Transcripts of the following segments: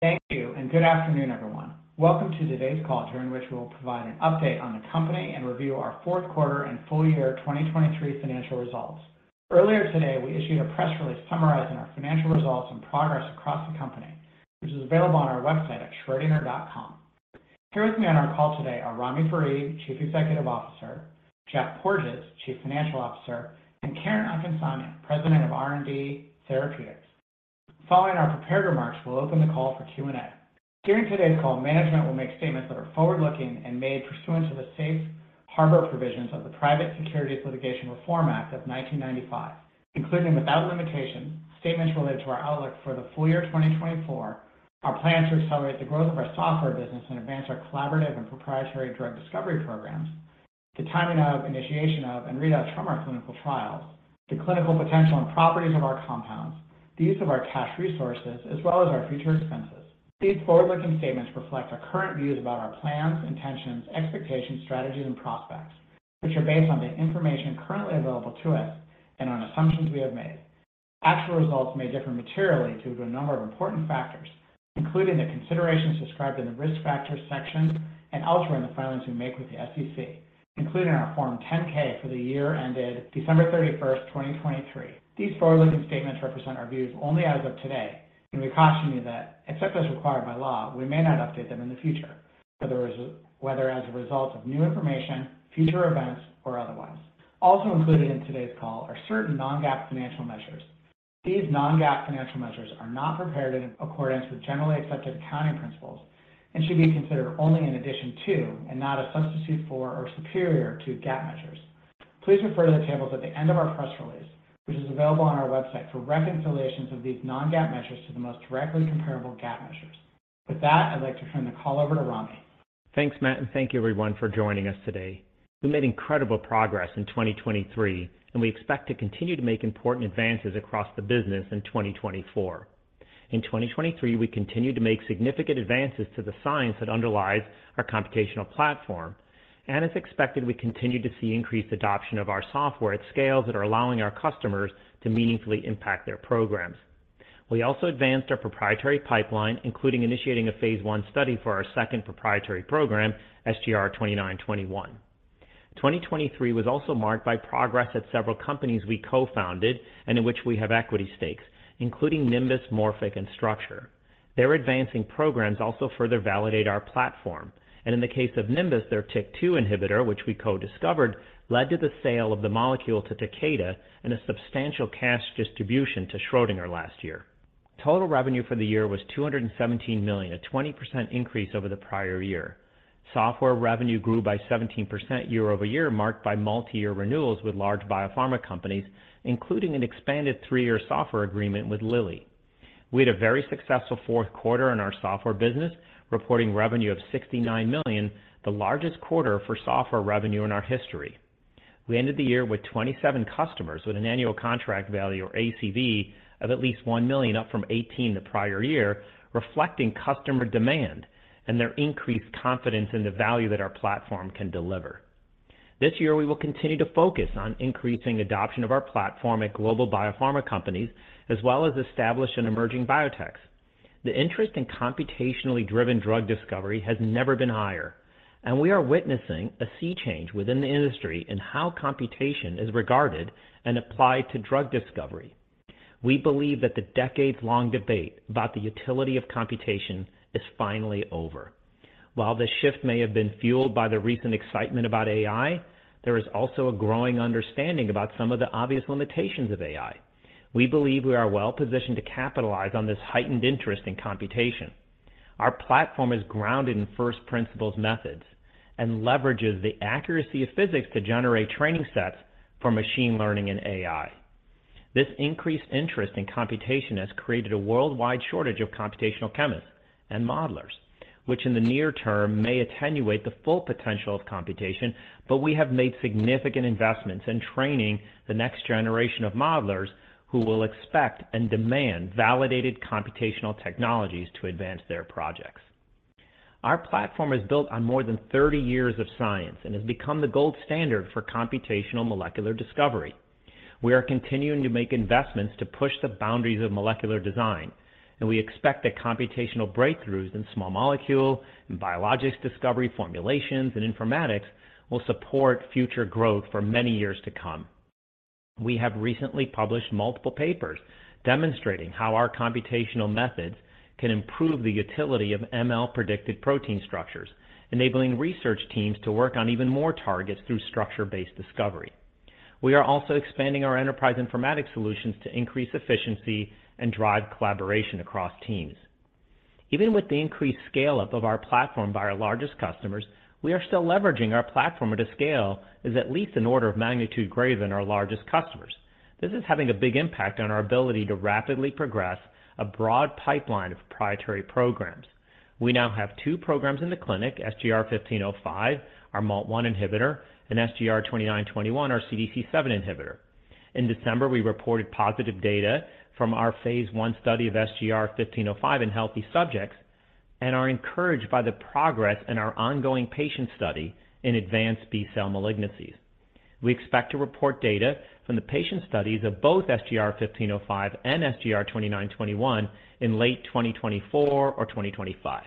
Thank you, and good afternoon, everyone. Welcome to today's call during which we will provide an update on the company and review our fourth quarter and full year 2023 financial results. Earlier today we issued a press release summarizing our financial results and progress across the company, which is available on our website at schrodinger.com. Here with me on our call today are Ramy Farid, Chief Executive Officer, Geoffrey Porges, Chief Financial Officer, and Karen Akinsanya, President of R&D Therapeutics. Following our prepared remarks, we'll open the call for Q&A. During today's call, management will make statements that are forward-looking and made pursuant to the Safe Harbor Provisions of the Private Securities Litigation Reform Act of 1995, including without limitation statements related to our outlook for the full year 2024, our plans to accelerate the growth of our software business and advance our collaborative and proprietary drug discovery programs, the timing of initiation of and read-outs from our clinical trials, the clinical potential and properties of our compounds, the use of our cash resources, as well as our future expenses. These forward-looking statements reflect our current views about our plans, intentions, expectations, strategies, and prospects, which are based on the information currently available to us and on assumptions we have made. Actual results may differ materially due to a number of important factors, including the considerations described in the risk factors section and elsewhere in the filings we make with the SEC, including our Form 10-K for the year ended December 31st, 2023. These forward-looking statements represent our views only as of today, and we caution you that, except as required by law, we may not update them in the future, whether as a result of new information, future events, or otherwise. Also included in today's call are certain non-GAAP financial measures. These non-GAAP financial measures are not prepared in accordance with generally accepted accounting principles and should be considered only in addition to and not a substitute for or superior to GAAP measures. Please refer to the tables at the end of our press release, which is available on our website for reconciliations of these non-GAAP measures to the most directly comparable GAAP measures. With that, I'd like to turn the call over to Ramy. Thanks, Matt, and thank you, everyone, for joining us today. We made incredible progress in 2023, and we expect to continue to make important advances across the business in 2024. In 2023, we continued to make significant advances to the science that underlies our computational platform, and as expected, we continued to see increased adoption of our software at scales that are allowing our customers to meaningfully impact their programs. We also advanced our proprietary pipeline, including initiating a phase 1 study for our second proprietary program, SGR-2921. 2023 was also marked by progress at several companies we co-founded and in which we have equity stakes, including Nimbus, Morphic, and Structure. Their advancing programs also further validate our platform, and in the case of Nimbus, their TYK2 inhibitor, which we co-discovered, led to the sale of the molecule to Takeda and a substantial cash distribution to Schrödinger last year. Total revenue for the year was $217 million, a 20% increase over the prior year. Software revenue grew by 17% year-over-year, marked by multi-year renewals with large biopharma companies, including an expanded three-year software agreement with Lilly. We had a very successful fourth quarter in our software business, reporting revenue of $69 million, the largest quarter for software revenue in our history. We ended the year with 27 customers with an annual contract value, or ACV, of at least $1 million, up from $18 the prior year, reflecting customer demand and their increased confidence in the value that our platform can deliver. This year, we will continue to focus on increasing adoption of our platform at global biopharma companies, as well as established and emerging biotechs. The interest in computationally driven drug discovery has never been higher, and we are witnessing a sea change within the industry in how computation is regarded and applied to drug discovery. We believe that the decades-long debate about the utility of computation is finally over. While this shift may have been fueled by the recent excitement about AI, there is also a growing understanding about some of the obvious limitations of AI. We believe we are well positioned to capitalize on this heightened interest in computation. Our platform is grounded in first principles methods and leverages the accuracy of physics to generate training sets for machine learning and AI. This increased interest in computation has created a worldwide shortage of computational chemists and modelers, which in the near term may attenuate the full potential of computation, but we have made significant investments in training the next generation of modelers who will expect and demand validated computational technologies to advance their projects. Our platform is built on more than 30 years of science and has become the gold standard for computational molecular discovery. We are continuing to make investments to push the boundaries of molecular design, and we expect that computational breakthroughs in small molecule and biologics discovery formulations and informatics will support future growth for many years to come. We have recently published multiple papers demonstrating how our computational methods can improve the utility of ML-predicted protein structures, enabling research teams to work on even more targets through structure-based discovery. We are also expanding our enterprise informatics solutions to increase efficiency and drive collaboration across teams. Even with the increased scale-up of our platform by our largest customers, we are still leveraging our platform at a scale that is at least an order of magnitude greater than our largest customers. This is having a big impact on our ability to rapidly progress a broad pipeline of proprietary programs. We now have two programs in the clinic, SGR-1505, our MALT1 inhibitor, and SGR-2921, our CDC7 inhibitor. In December, we reported positive data from our phase 1 study of SGR-1505 in healthy subjects and are encouraged by the progress in our ongoing patient study in advanced B-cell malignancies. We expect to report data from the patient studies of both SGR-1505 and SGR-2921 in late 2024 or 2025.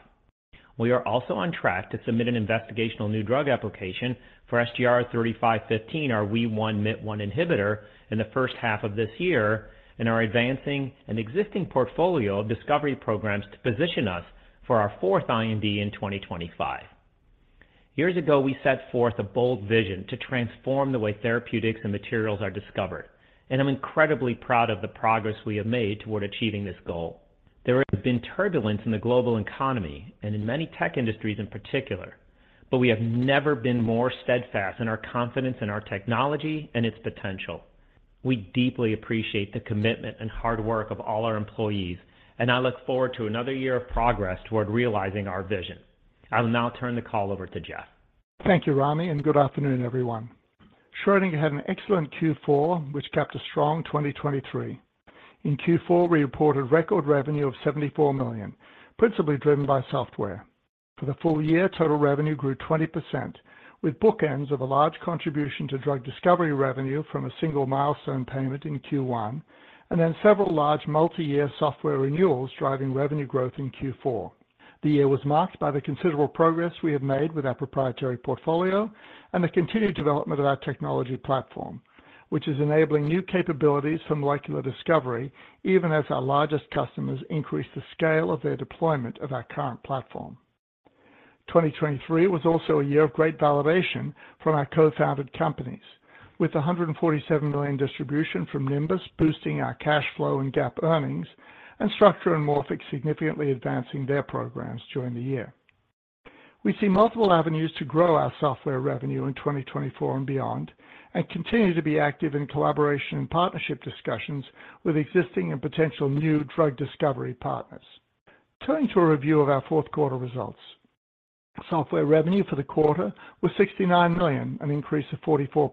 We are also on track to submit an investigational new drug application for SGR-3515, our WEE1/MYT1 inhibitor, in the first half of this year and are advancing an existing portfolio of discovery programs to position us for our fourth IND in 2025. Years ago, we set forth a bold vision to transform the way therapeutics and materials are discovered, and I'm incredibly proud of the progress we have made toward achieving this goal. There has been turbulence in the global economy and in many tech industries in particular, but we have never been more steadfast in our confidence in our technology and its potential. We deeply appreciate the commitment and hard work of all our employees, and I look forward to another year of progress toward realizing our vision. I will now turn the call over to Jeff. Thank you, Ramy, and good afternoon, everyone. Schrödinger had an excellent Q4, which kept a strong 2023. In Q4, we reported record revenue of $74 million, principally driven by software. For the full year, total revenue grew 20%, with bookends of a large contribution to drug discovery revenue from a single milestone payment in Q1 and then several large multi-year software renewals driving revenue growth in Q4. The year was marked by the considerable progress we have made with our proprietary portfolio and the continued development of our technology platform, which is enabling new capabilities for molecular discovery even as our largest customers increase the scale of their deployment of our current platform. 2023 was also a year of great validation from our co-founded companies, with a $147 million distribution from Nimbus boosting our cash flow and GAAP earnings, and Structure and Morphic significantly advancing their programs during the year. We see multiple avenues to grow our software revenue in 2024 and beyond, and continue to be active in collaboration and partnership discussions with existing and potential new drug discovery partners. Turning to a review of our fourth quarter results. Software revenue for the quarter was $69 million, an increase of 44%.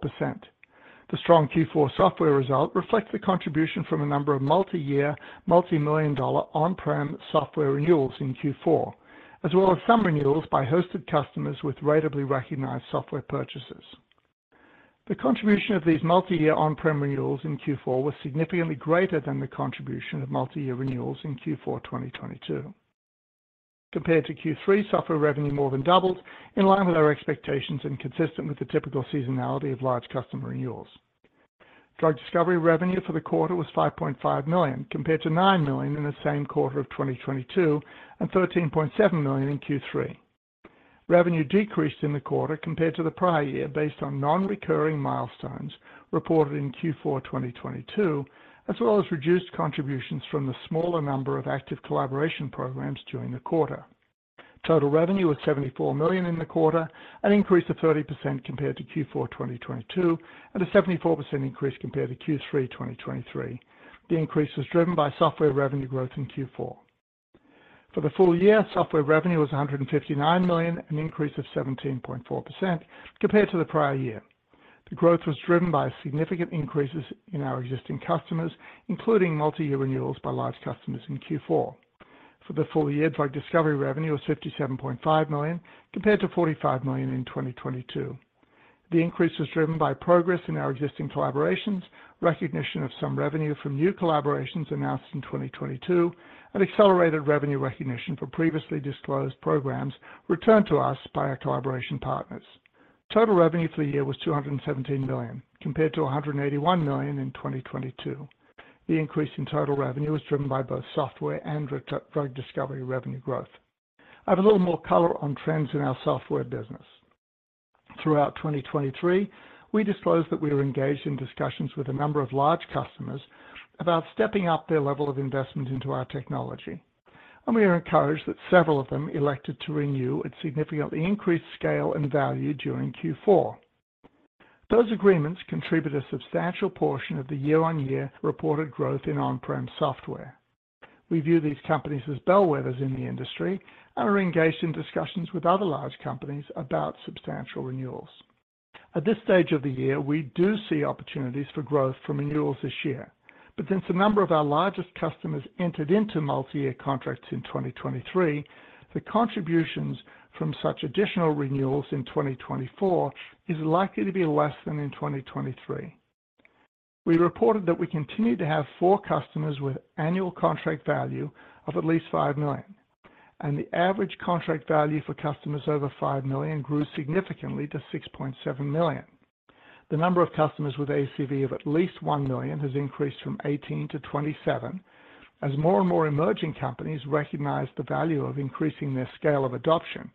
The strong Q4 software result reflects the contribution from a number of multi-year, multi-million dollar on-prem software renewals in Q4, as well as some renewals by hosted customers with ratably recognized software purchases. The contribution of these multi-year on-prem renewals in Q4 was significantly greater than the contribution of multi-year renewals in Q4 2022. Compared to Q3, software revenue more than doubled, in line with our expectations and consistent with the typical seasonality of large customer renewals. Drug discovery revenue for the quarter was $5.5 million, compared to $9 million in the same quarter of 2022 and $13.7 million in Q3. Revenue decreased in the quarter compared to the prior year based on non-recurring milestones reported in Q4 2022, as well as reduced contributions from the smaller number of active collaboration programs during the quarter. Total revenue was $74 million in the quarter, an increase of 30% compared to Q4 2022 and a 74% increase compared to Q3 2023. The increase was driven by software revenue growth in Q4. For the full year, software revenue was $159 million, an increase of 17.4% compared to the prior year. The growth was driven by significant increases in our existing customers, including multi-year renewals by large customers in Q4. For the full year, drug discovery revenue was $57.5 million, compared to $45 million in 2022. The increase was driven by progress in our existing collaborations, recognition of some revenue from new collaborations announced in 2022, and accelerated revenue recognition for previously disclosed programs returned to us by our collaboration partners. Total revenue for the year was $217 million, compared to $181 million in 2022. The increase in total revenue was driven by both software and drug discovery revenue growth. I have a little more color on trends in our software business. Throughout 2023, we disclosed that we were engaged in discussions with a number of large customers about stepping up their level of investment into our technology, and we are encouraged that several of them elected to renew at significantly increased scale and value during Q4. Those agreements contribute a substantial portion of the year-on-year reported growth in on-prem software. We view these companies as bellwethers in the industry and are engaged in discussions with other large companies about substantial renewals. At this stage of the year, we do see opportunities for growth from renewals this year, but since a number of our largest customers entered into multi-year contracts in 2023, the contributions from such additional renewals in 2024 are likely to be less than in 2023. We reported that we continue to have 4 customers with annual contract value of at least $5 million, and the average contract value for customers over $5 million grew significantly to $6.7 million. The number of customers with ACV of at least $1 million has increased from 18 to 27, as more and more emerging companies recognize the value of increasing their scale of adoption.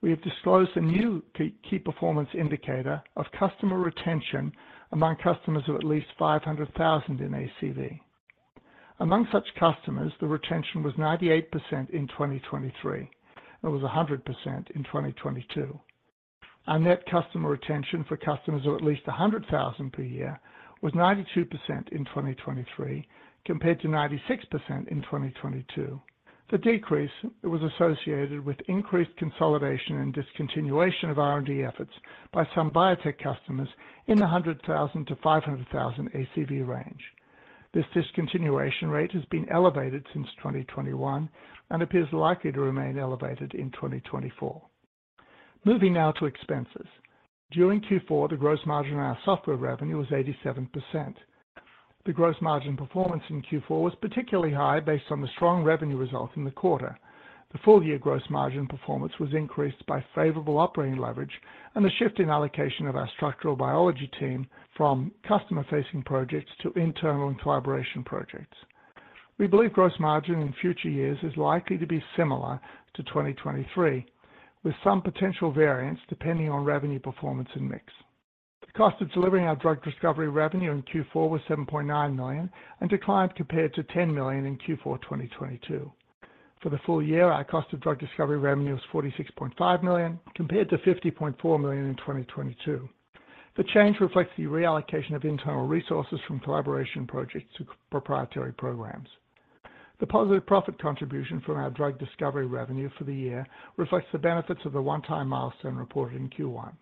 We have disclosed a new key performance indicator of customer retention among customers of at least $500,000 in ACV. Among such customers, the retention was 98% in 2023 and was 100% in 2022. Our net customer retention for customers of at least $100,000 per year was 92% in 2023, compared to 96% in 2022. The decrease was associated with increased consolidation and discontinuation of R&D efforts by some biotech customers in the $100,000-$500,000 ACV range. This discontinuation rate has been elevated since 2021 and appears likely to remain elevated in 2024. Moving now to expenses. During Q4, the gross margin on our software revenue was 87%. The gross margin performance in Q4 was particularly high based on the strong revenue result in the quarter. The full-year gross margin performance was increased by favorable operating leverage and the shift in allocation of our structural biology team from customer-facing projects to internal and collaboration projects. We believe gross margin in future years is likely to be similar to 2023, with some potential variance depending on revenue performance and mix. The cost of delivering our drug discovery revenue in Q4 was $7.9 million and declined compared to $10 million in Q4 2022. For the full year, our cost of drug discovery revenue was $46.5 million compared to $50.4 million in 2022. The change reflects the reallocation of internal resources from collaboration projects to proprietary programs. The positive profit contribution from our drug discovery revenue for the year reflects the benefits of the one-time milestone reported in Q1.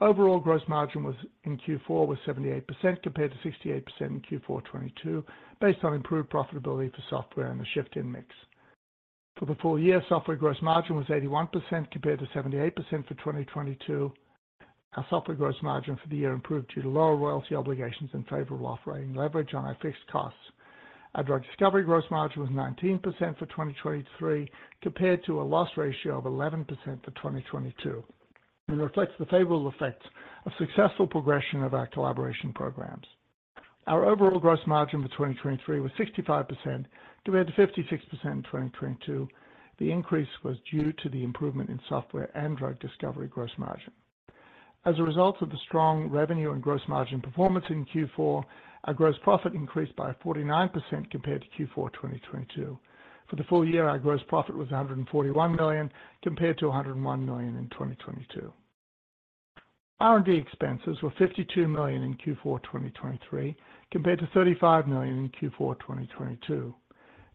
Overall gross margin in Q4 was 78% compared to 68% in Q4 2022 based on improved profitability for software and the shift in mix. For the full year, software gross margin was 81% compared to 78% for 2022. Our software gross margin for the year improved due to lower royalty obligations and favorable operating leverage on our fixed costs. Our drug discovery gross margin was 19% for 2023 compared to a loss ratio of 11% for 2022, and reflects the favorable effects of successful progression of our collaboration programs. Our overall gross margin for 2023 was 65% compared to 56% in 2022. The increase was due to the improvement in software and drug discovery gross margin. As a result of the strong revenue and gross margin performance in Q4, our gross profit increased by 49% compared to Q4 2022. For the full year, our gross profit was $141 million compared to $101 million in 2022. R&D expenses were $52 million in Q4 2023 compared to $35 million in Q4 2022.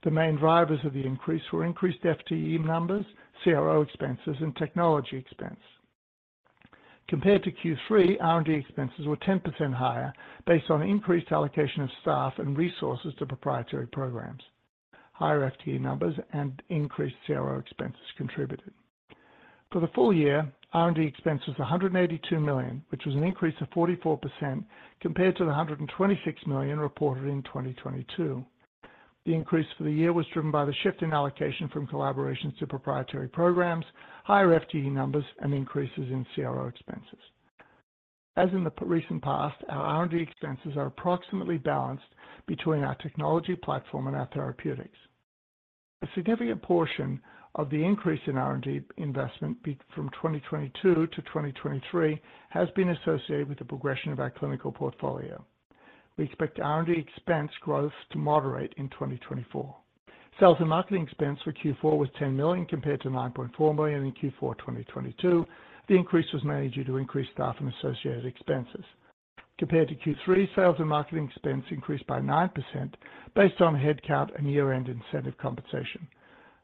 The main drivers of the increase were increased FTE numbers, CRO expenses, and technology expense. Compared to Q3, R&D expenses were 10% higher based on increased allocation of staff and resources to proprietary programs. Higher FTE numbers and increased CRO expenses contributed. For the full year, R&D expense was $182 million, which was an increase of 44% compared to the $126 million reported in 2022. The increase for the year was driven by the shift in allocation from collaborations to proprietary programs, higher FTE numbers, and increases in CRO expenses. As in the recent past, our R&D expenses are approximately balanced between our technology platform and our therapeutics. A significant portion of the increase in R&D investment from 2022 to 2023 has been associated with the progression of our clinical portfolio. We expect R&D expense growth to moderate in 2024. Sales and marketing expense for Q4 was $10 million compared to $9.4 million in Q4 2022. The increase was mainly due to increased staff and associated expenses. Compared to Q3, sales and marketing expense increased by 9% based on headcount and year-end incentive compensation.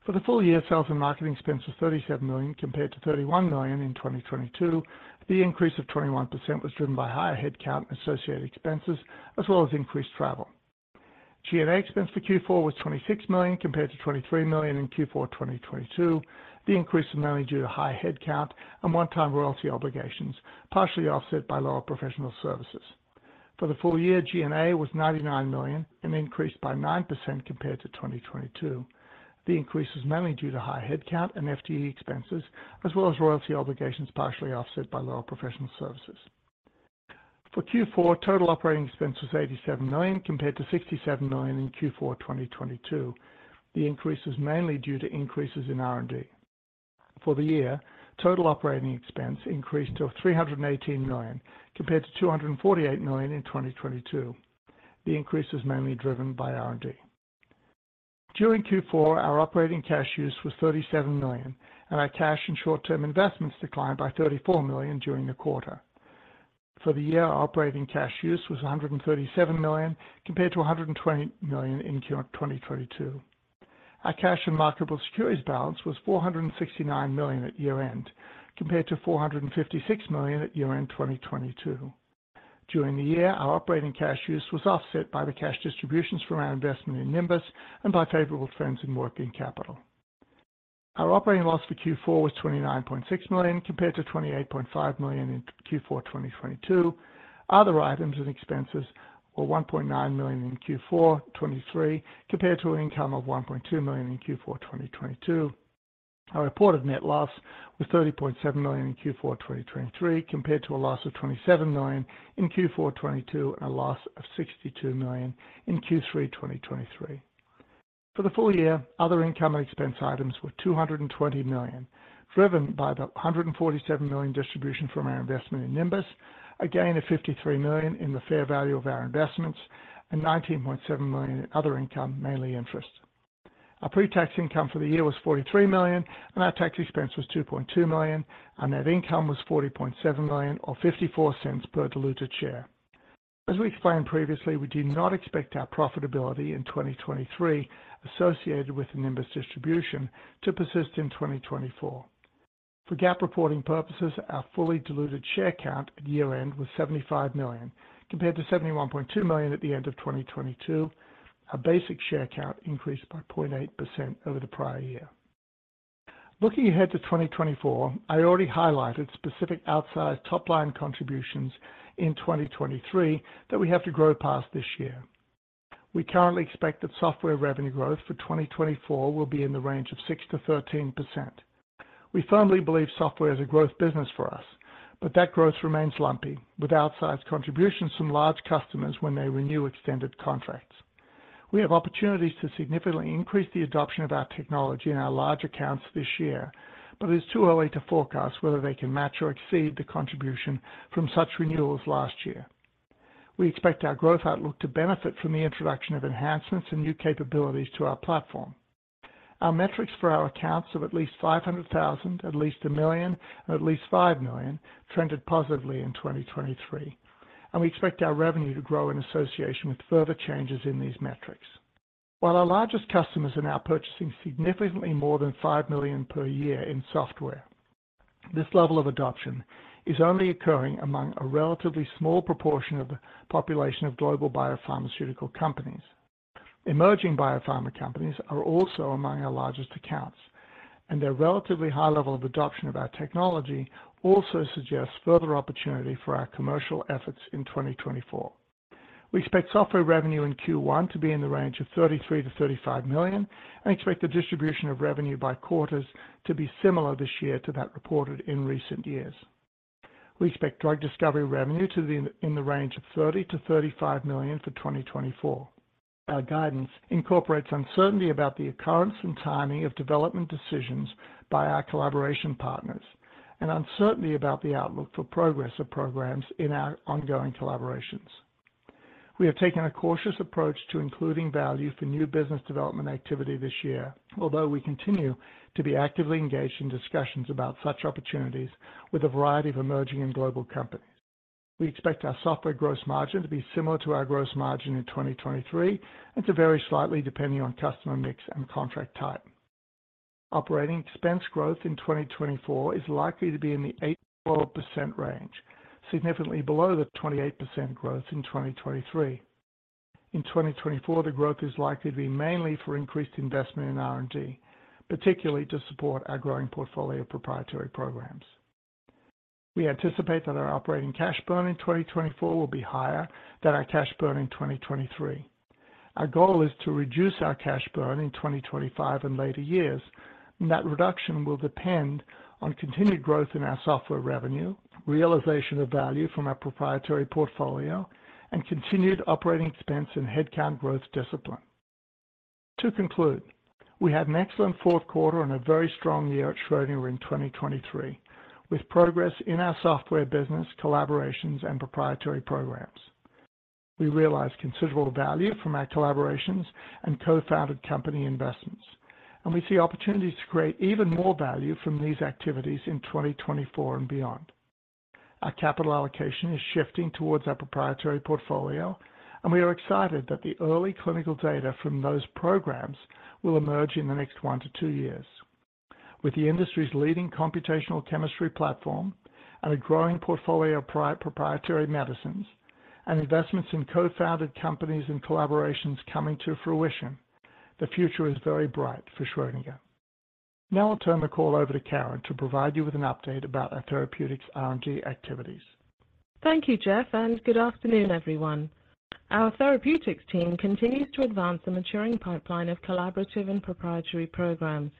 For the full year, sales and marketing expense was $37 million compared to $31 million in 2022. The increase of 21% was driven by higher headcount and associated expenses, as well as increased travel. G&A expense for Q4 was $26 million compared to $23 million in Q4 2022. The increase was mainly due to high headcount and one-time royalty obligations, partially offset by lower professional services. For the full year, G&A was $99 million and increased by 9% compared to 2022. The increase was mainly due to high headcount and FTE expenses, as well as royalty obligations partially offset by lower professional services. For Q4, total operating expense was $87 million compared to $67 million in Q4 2022. The increase was mainly due to increases in R&D. For the year, total operating expense increased to $318 million compared to $248 million in 2022. The increase was mainly driven by R&D. During Q4, our operating cash use was $37 million, and our cash and short-term investments declined by $34 million during the quarter. For the year, our operating cash use was $137 million compared to $120 million in 2022. Our cash and marketable securities balance was $469 million at year-end compared to $456 million at year-end 2022. During the year, our operating cash use was offset by the cash distributions from our investment in Nimbus and by favorable trends in working capital. Our operating loss for Q4 was $29.6 million compared to $28.5 million in Q4 2022. Other items and expenses were $1.9 million in Q4 2023 compared to an income of $1.2 million in Q4 2022. Our reported net loss was $30.7 million in Q4 2023 compared to a loss of $27 million in Q4 2022 and a loss of $62 million in Q3 2023. For the full year, other income and expense items were $220 million, driven by the $147 million distribution from our investment in Nimbus, a gain of $53 million in the fair value of our investments, and $19.7 million in other income, mainly interest. Our pre-tax income for the year was $43 million, and our tax expense was $2.2 million. Our net income was $40.7 million or $0.54 per diluted share. As we explained previously, we do not expect our profitability in 2023 associated with the Nimbus distribution to persist in 2024. For GAAP reporting purposes, our fully diluted share count at year-end was 75 million compared to 71.2 million at the end of 2022, a basic share count increased by 0.8% over the prior year. Looking ahead to 2024, I already highlighted specific outsized top-line contributions in 2023 that we have to grow past this year. We currently expect that software revenue growth for 2024 will be in the range of 6%-13%. We firmly believe software is a growth business for us, but that growth remains lumpy with outsized contributions from large customers when they renew extended contracts. We have opportunities to significantly increase the adoption of our technology in our large accounts this year, but it is too early to forecast whether they can match or exceed the contribution from such renewals last year. We expect our growth outlook to benefit from the introduction of enhancements and new capabilities to our platform. Our metrics for our accounts of at least $500,000, at least $1 million, and at least $5 million trended positively in 2023, and we expect our revenue to grow in association with further changes in these metrics. While our largest customers are now purchasing significantly more than $5 million per year in software, this level of adoption is only occurring among a relatively small proportion of the population of global biopharmaceutical companies. Emerging biopharma companies are also among our largest accounts, and their relatively high level of adoption of our technology also suggests further opportunity for our commercial efforts in 2024. We expect software revenue in Q1 to be in the range of $33 million-$35 million and expect the distribution of revenue by quarters to be similar this year to that reported in recent years. We expect drug discovery revenue to be in the range of $30 million-$35 million for 2024. Our guidance incorporates uncertainty about the occurrence and timing of development decisions by our collaboration partners and uncertainty about the outlook for progress of programs in our ongoing collaborations. We have taken a cautious approach to including value for new business development activity this year, although we continue to be actively engaged in discussions about such opportunities with a variety of emerging and global companies. We expect our software gross margin to be similar to our gross margin in 2023 and to vary slightly depending on customer mix and contract type. Operating expense growth in 2024 is likely to be in the 8%-12% range, significantly below the 28% growth in 2023. In 2024, the growth is likely to be mainly for increased investment in R&D, particularly to support our growing portfolio of proprietary programs. We anticipate that our operating cash burn in 2024 will be higher than our cash burn in 2023. Our goal is to reduce our cash burn in 2025 and later years, and that reduction will depend on continued growth in our software revenue, realization of value from our proprietary portfolio, and continued operating expense and headcount growth discipline. To conclude, we had an excellent fourth quarter and a very strong year at Schrödinger in 2023 with progress in our software business, collaborations, and proprietary programs. We realize considerable value from our collaborations and co-founded company investments, and we see opportunities to create even more value from these activities in 2024 and beyond. Our capital allocation is shifting towards our proprietary portfolio, and we are excited that the early clinical data from those programs will emerge in the next 1-2 years. With the industry's leading computational chemistry platform and a growing portfolio of proprietary medicines and investments in co-founded companies and collaborations coming to fruition, the future is very bright for Schrödinger. Now I'll turn the call over to Karen to provide you with an update about our therapeutics R&D activities. Thank you, Geoff, and good afternoon, everyone. Our therapeutics team continues to advance a maturing pipeline of collaborative and proprietary programs.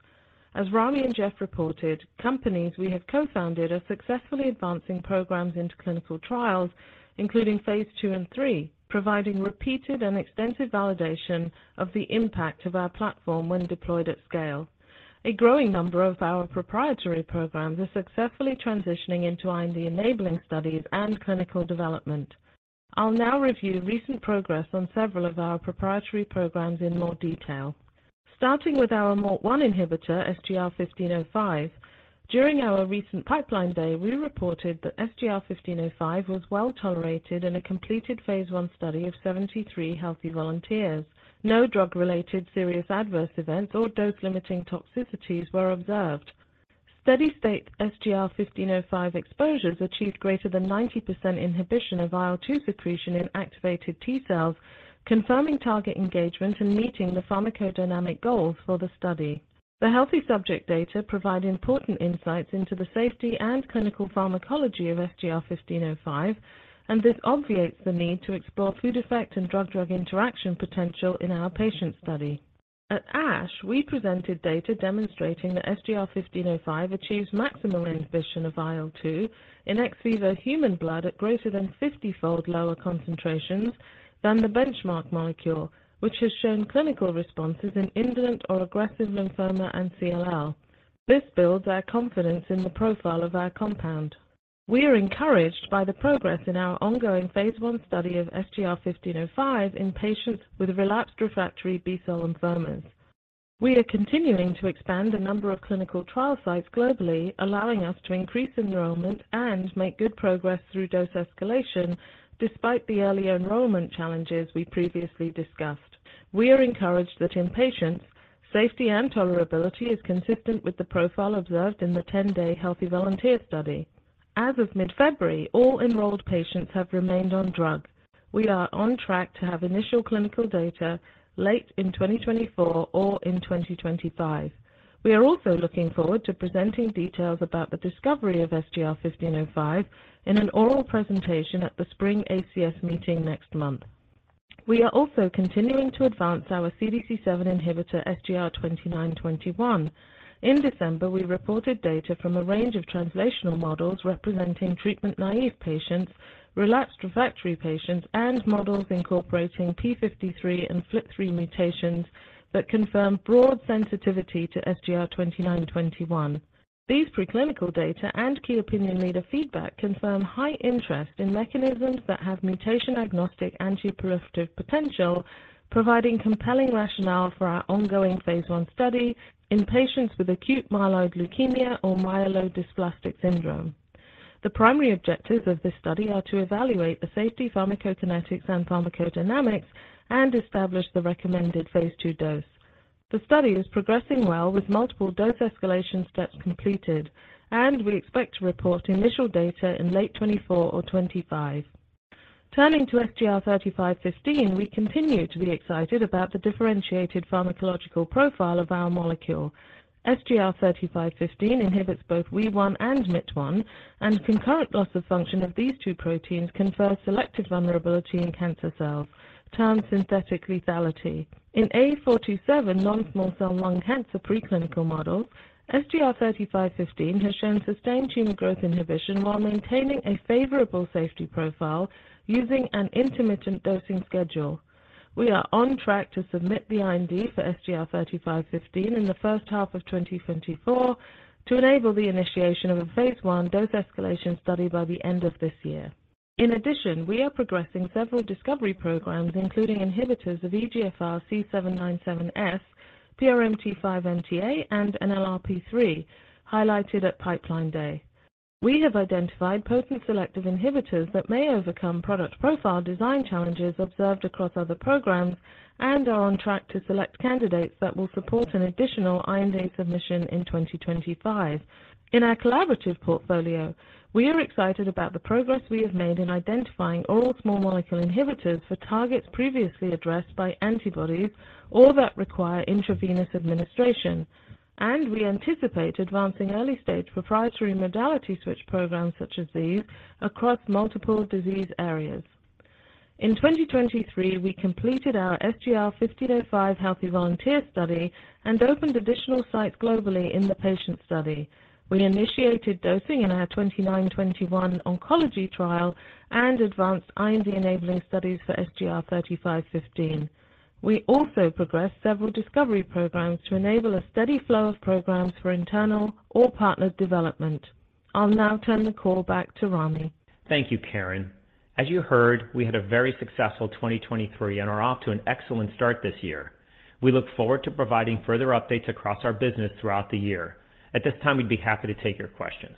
As Ramy and Geoff reported, companies we have co-founded are successfully advancing programs into clinical trials, including phase two and three, providing repeated and extensive validation of the impact of our platform when deployed at scale. A growing number of our proprietary programs are successfully transitioning into R&D enabling studies and clinical development. I'll now review recent progress on several of our proprietary programs in more detail. Starting with our MALT1 inhibitor, SGR-1505, during our recent pipeline day, we reported that SGR-1505 was well tolerated in a completed phase one study of 73 healthy volunteers. No drug-related serious adverse events or dose-limiting toxicities were observed. Steady-state SGR-1505 exposures achieved greater than 90% inhibition of IL-2 secretion in activated T cells, confirming target engagement and meeting the pharmacodynamic goals for the study. The healthy subject data provide important insights into the safety and clinical pharmacology of SGR-1505, and this obviates the need to explore food effect and drug-drug interaction potential in our patient study. At ASH, we presented data demonstrating that SGR-1505 achieves maximum inhibition of IL-2 in ex vivo human blood at greater than 50-fold lower concentrations than the benchmark molecule, which has shown clinical responses in indolent or aggressive lymphoma and CLL. This builds our confidence in the profile of our compound. We are encouraged by the progress in our ongoing phase 1 study of SGR-1505 in patients with relapsed refractory B-cell lymphomas. We are continuing to expand the number of clinical trial sites globally, allowing us to increase enrollment and make good progress through dose escalation despite the early enrollment challenges we previously discussed. We are encouraged that in patients, safety and tolerability are consistent with the profile observed in the 10-day healthy volunteer study. As of mid-February, all enrolled patients have remained on drug. We are on track to have initial clinical data late in 2024 or in 2025. We are also looking forward to presenting details about the discovery of SGR-1505 in an oral presentation at the spring ACS meeting next month. We are also continuing to advance our CDC7 inhibitor, SGR-2921. In December, we reported data from a range of translational models representing treatment-naïve patients, relapsed refractory patients, and models incorporating p53 and FLT3 mutations that confirm broad sensitivity to SGR-2921. These preclinical data and key opinion leader feedback confirm high interest in mechanisms that have mutation-agnostic antiproliferative potential, providing compelling rationale for our ongoing phase 1 study in patients with acute myeloid leukemia or myelodysplastic syndrome. The primary objectives of this study are to evaluate the safety pharmacokinetics and pharmacodynamics and establish the recommended phase 2 dose. The study is progressing well with multiple dose escalation steps completed, and we expect to report initial data in late 2024 or 2025. Turning to SGR-3515, we continue to be excited about the differentiated pharmacological profile of our molecule. SGR-3515 inhibits both WEE1 and MYT1, and concurrent loss of function of these two proteins confers selective vulnerability in cancer cells, termed synthetic lethality. In A427 non-small cell lung cancer preclinical models, SGR-3515 has shown sustained tumor growth inhibition while maintaining a favorable safety profile using an intermittent dosing schedule. We are on track to submit the IND for SGR-3515 in the first half of 2024 to enable the initiation of a phase 1 dose escalation study by the end of this year. In addition, we are progressing several discovery programs, including inhibitors of EGFR C797S, PRMT5/MTA, and NLRP3, highlighted at Pipeline Day. We have identified potent selective inhibitors that may overcome product profile design challenges observed across other programs and are on track to select candidates that will support an additional IND submission in 2025. In our collaborative portfolio, we are excited about the progress we have made in identifying oral small molecule inhibitors for targets previously addressed by antibodies or that require intravenous administration, and we anticipate advancing early-stage proprietary modality switch programs such as these across multiple disease areas. In 2023, we completed our SGR-1505 healthy volunteer study and opened additional sites globally in the patient study. We initiated dosing in our SGR-2921 oncology trial and advanced IND-enabling studies for SGR-3515. We also progressed several discovery programs to enable a steady flow of programs for internal or partnered development. I'll now turn the call back to Ramy. Thank you, Karen. As you heard, we had a very successful 2023 and are off to an excellent start this year. We look forward to providing further updates across our business throughout the year. At this time, we'd be happy to take your questions.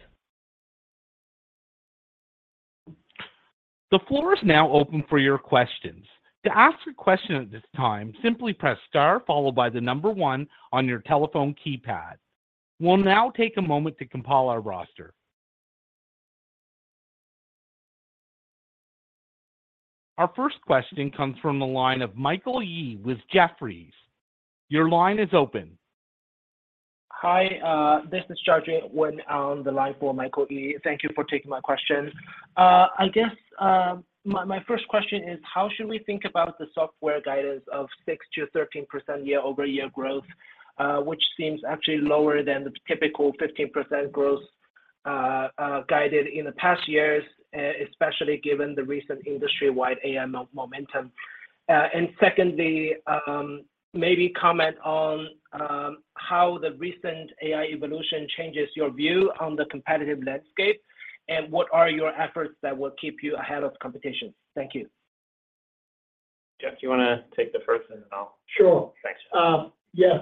The floor is now open for your questions. To ask a question at this time, simply press star followed by the number one on your telephone keypad. We'll now take a moment to compile our roster. Our first question comes from the line of Michael Yee with Jefferies. Your line is open. Hi, this is Geoffrey Wynne on the line for Michael Yee. Thank you for taking my question. I guess my first question is, how should we think about the software guidance of 6%-13% year-over-year growth, which seems actually lower than the typical 15% growth guided in the past years, especially given the recent industry-wide AI momentum? And secondly, maybe comment on how the recent AI evolution changes your view on the competitive landscape and what are your efforts that will keep you ahead of competition? Thank you. Geoff, do you want to take the first and then I'll? Sure. Thanks. Yes.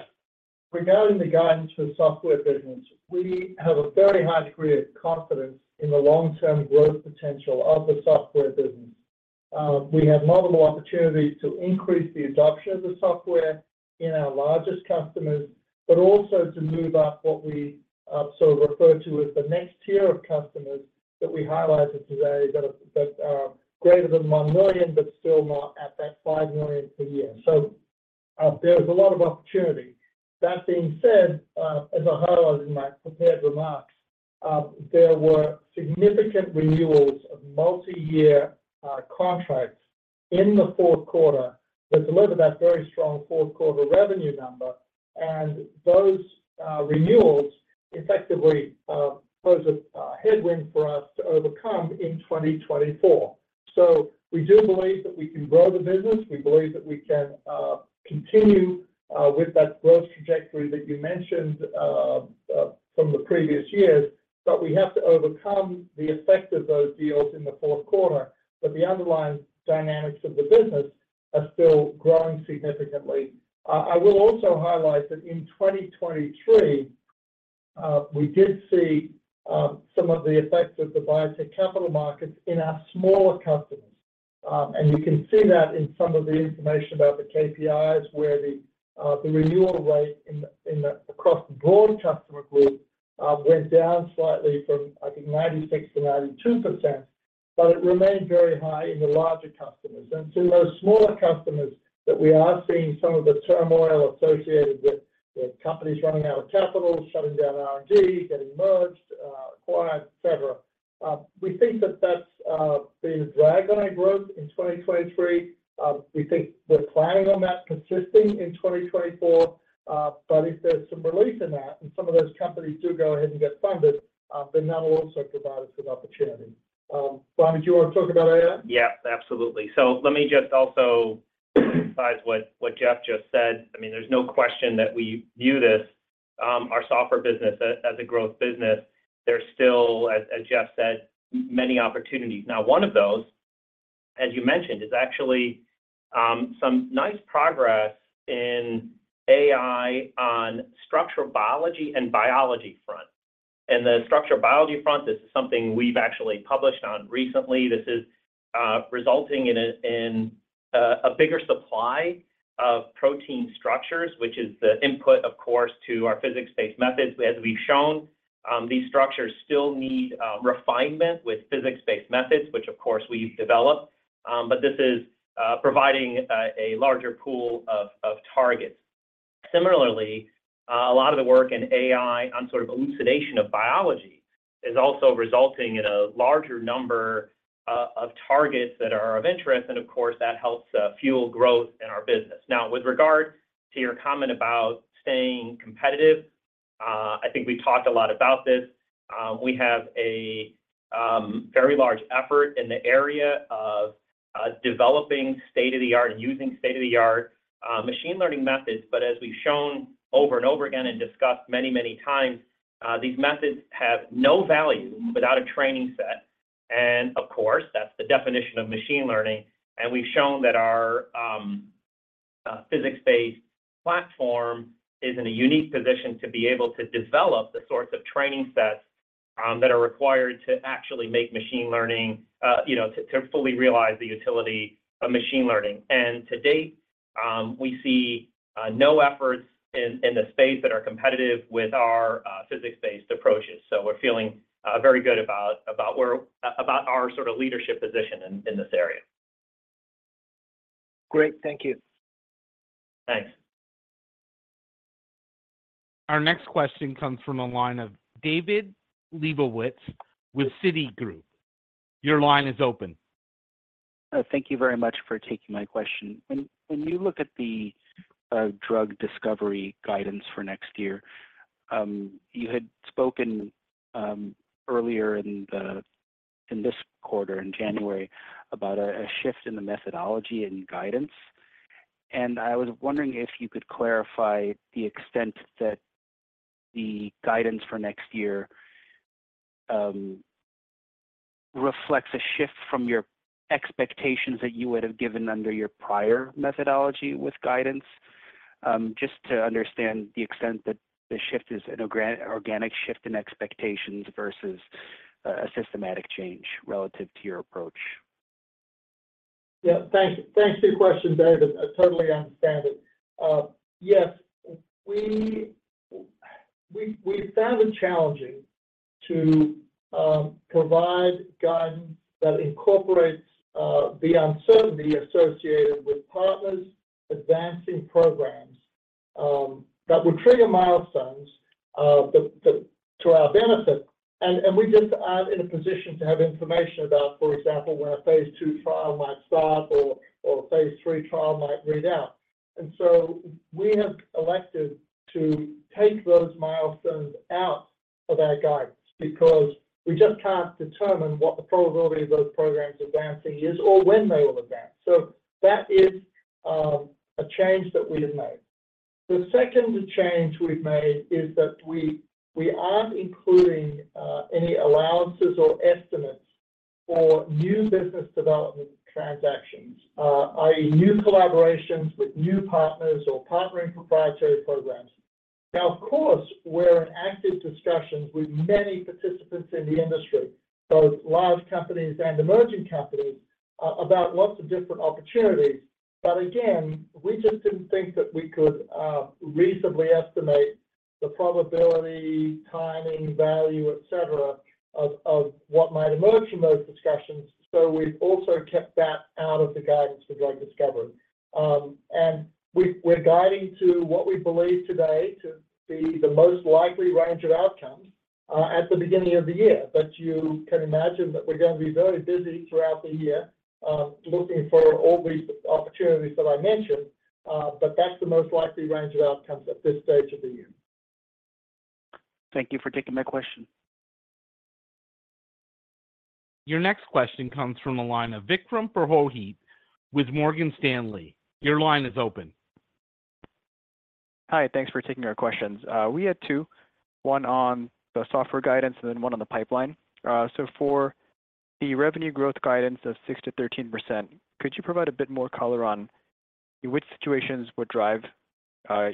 Regarding the guidance for the software business, we have a very high degree of confidence in the long-term growth potential of the software business. We have multiple opportunities to increase the adoption of the software in our largest customers, but also to move up what we sort of refer to as the next tier of customers that we highlighted today that are greater than $1 million but still not at that $5 million per year. So there's a lot of opportunity. That being said, as I highlighted in my prepared remarks, there were significant renewals of multi-year contracts in the fourth quarter that delivered that very strong fourth quarter revenue number, and those renewals effectively pose a headwind for us to overcome in 2024. So we do believe that we can grow the business. We believe that we can continue with that growth trajectory that you mentioned from the previous years, but we have to overcome the effect of those deals in the fourth quarter. The underlying dynamics of the business are still growing significantly. I will also highlight that in 2023, we did see some of the effects of the biotech capital markets in our smaller customers. You can see that in some of the information about the KPIs where the renewal rate across the broad customer group went down slightly from, I think, 96%-92%, but it remained very high in the larger customers. It's in those smaller customers that we are seeing some of the turmoil associated with companies running out of capital, shutting down R&D, getting merged, acquired, etc. We think that that's been a drag on our growth in 2023. We think we're planning on that persisting in 2024, but if there's some relief in that and some of those companies do go ahead and get funded, then that will also provide us with opportunity. Ramy, do you want to talk about AI? Yep, absolutely. So let me just also emphasize what Geoff just said. I mean, there's no question that we view this, our software business, as a growth business. There's still, as Geoff said, many opportunities. Now, one of those, as you mentioned, is actually some nice progress in AI on structural biology and biology front. And the structural biology front, this is something we've actually published on recently. This is resulting in a bigger supply of protein structures, which is the input, of course, to our physics-based methods. As we've shown, these structures still need refinement with physics-based methods, which, of course, we've developed. But this is providing a larger pool of targets. Similarly, a lot of the work in AI on sort of elucidation of biology is also resulting in a larger number of targets that are of interest. And of course, that helps fuel growth in our business. Now, with regard to your comment about staying competitive, I think we've talked a lot about this. We have a very large effort in the area of developing state-of-the-art and using state-of-the-art machine learning methods. But as we've shown over and over again and discussed many, many times, these methods have no value without a training set. And of course, that's the definition of machine learning. And we've shown that our physics-based platform is in a unique position to be able to develop the sorts of training sets that are required to actually make machine learning to fully realize the utility of machine learning. And to date, we see no efforts in the space that are competitive with our physics-based approaches. So we're feeling very good about our sort of leadership position in this area. Great. Thank you. Thanks. Our next question comes from a line of David Lebowitz with Citigroup. Your line is open. Thank you very much for taking my question. When you look at the drug discovery guidance for next year, you had spoken earlier in this quarter, in January, about a shift in the methodology and guidance. I was wondering if you could clarify the extent that the guidance for next year reflects a shift from your expectations that you would have given under your prior methodology with guidance, just to understand the extent that the shift is an organic shift in expectations versus a systematic change relative to your approach? Yeah. Thanks for your question, David. I totally understand it. Yes, we found it challenging to provide guidance that incorporates the uncertainty associated with partners advancing programs that would trigger milestones to our benefit. We just aren't in a position to have information about, for example, when a phase 2 trial might start or a phase 3 trial might read out. We have elected to take those milestones out of our guidance because we just can't determine what the probability of those programs advancing is or when they will advance. That is a change that we have made. The second change we've made is that we aren't including any allowances or estimates for new business development transactions, i.e., new collaborations with new partners or partnering proprietary programs. Now, of course, we're in active discussions with many participants in the industry, both large companies and emerging companies, about lots of different opportunities. But again, we just didn't think that we could reasonably estimate the probability, timing, value, etc., of what might emerge from those discussions. So we've also kept that out of the guidance for drug discovery. And we're guiding to what we believe today to be the most likely range of outcomes at the beginning of the year. But you can imagine that we're going to be very busy throughout the year looking for all these opportunities that I mentioned. But that's the most likely range of outcomes at this stage of the year. Thank you for taking my question. Your next question comes from a line of Vikram Purohit with Morgan Stanley. Your line is open. Hi. Thanks for taking our questions. We had two, one on the software guidance and then one on the pipeline. So for the revenue growth guidance of 6%-13%, could you provide a bit more color on which situations would drive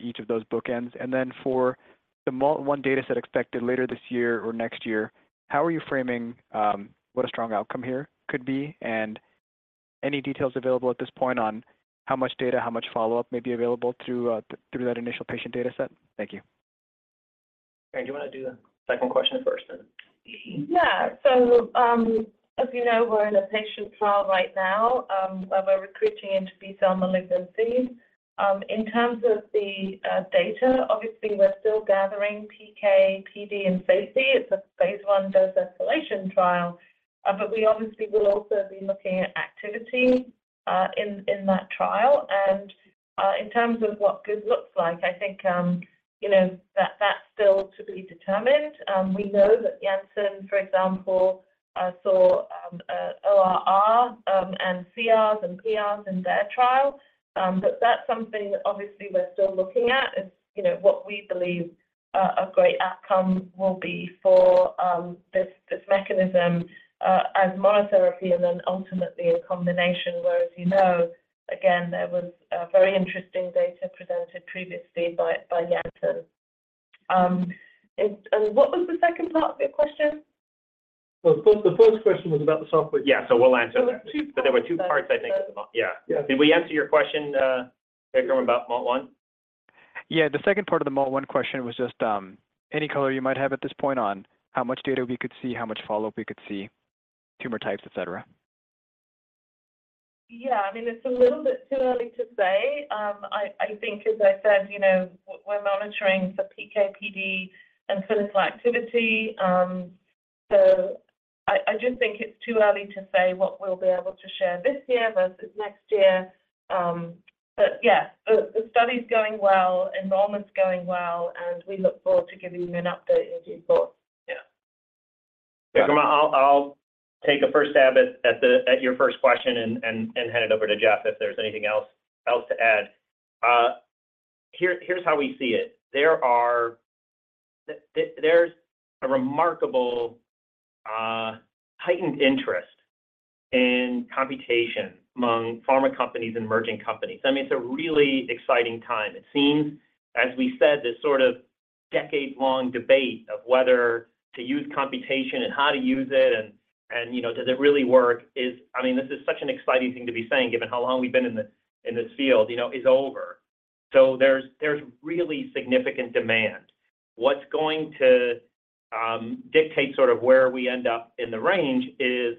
each of those bookends? And then for the one dataset expected later this year or next year, how are you framing what a strong outcome here could be? And any details available at this point on how much data, how much follow-up may be available through that initial patient dataset? Thank you. Karen, do you want to do the second question first then? Yeah. So as you know, we're in a patient trial right now where we're recruiting into B-cell malignancies. In terms of the data, obviously, we're still gathering PK, PD, and safety. It's a phase one dose escalation trial. But we obviously will also be looking at activity in that trial. And in terms of what good looks like, I think that's still to be determined. We know that Janssen, for example, saw ORR and CRs and PRs in their trial. But that's something that obviously we're still looking at is what we believe a great outcome will be for this mechanism as monotherapy and then ultimately in combination. Whereas you know, again, there was very interesting data presented previously by Janssen. And what was the second part of your question? Well, the first question was about the software. Yeah. So we'll answer that. But there were two parts, I think, of the yeah. Did we answer your question, Vikram, about MALT1? Yeah. The second part of the MALT1 question was just any color you might have at this point on how much data we could see, how much follow-up we could see, tumor types, etc. Yeah. I mean, it's a little bit too early to say. I think, as I said, we're monitoring for PK, PD, and clinical activity. So I just think it's too early to say what we'll be able to share this year versus next year. But yeah, the study's going well. Enrollment's going well. We look forward to giving you an update in due course. Yeah. Vikram, I'll take a first stab at your first question and hand it over to Geoff if there's anything else to add. Here's how we see it. There's a remarkable heightened interest in computation among pharma companies and emerging companies. I mean, it's a really exciting time. It seems, as we said, this sort of decade-long debate of whether to use computation and how to use it and does it really work is, I mean, this is such an exciting thing to be saying given how long we've been in this field, is over. So there's really significant demand. What's going to dictate sort of where we end up in the range is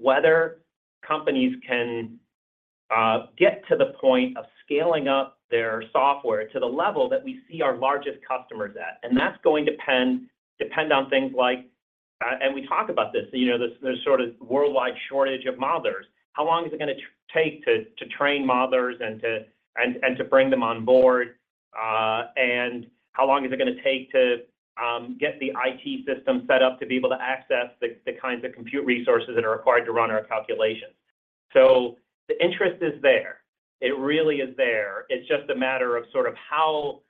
whether companies can get to the point of scaling up their software to the level that we see our largest customers at. And that's going to depend on things like and we talk about this. There's sort of worldwide shortage of models. How long is it going to take to train models and to bring them on board? And how long is it going to take to get the IT system set up to be able to access the kinds of compute resources that are required to run our calculations? So the interest is there. It really is there. It's just a matter of sort of how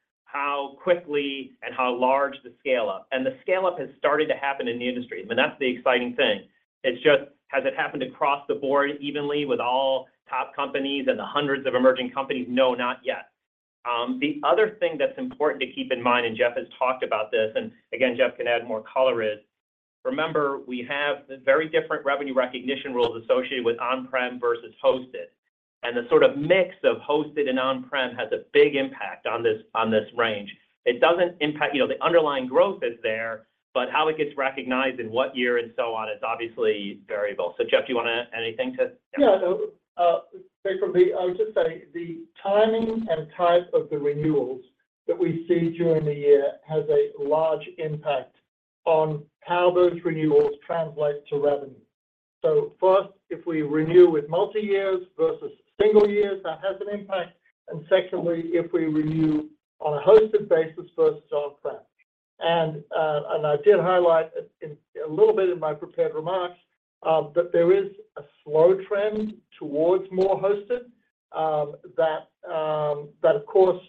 quickly and how large the scale-up. And the scale-up has started to happen in the industry. I mean, that's the exciting thing. It's just, has it happened across the board evenly with all top companies and the hundreds of emerging companies? No, not yet. The other thing that's important to keep in mind, and Geoff has talked about this, and again, Geoff can add more color, is remember, we have very different revenue recognition rules associated with on-prem versus hosted. And the sort of mix of hosted and on-prem has a big impact on this range. It doesn't impact the underlying growth is there, but how it gets recognized in what year and so on is obviously variable. So Geoff, do you want to add anything to that? Yeah. So Vikram, I would just say the timing and type of the renewals that we see during the year has a large impact on how those renewals translate to revenue. So first, if we renew with multi-years versus single years, that has an impact. And secondly, if we renew on a hosted basis versus on-prem. And I did highlight a little bit in my prepared remarks that there is a slow trend towards more hosted that, of course,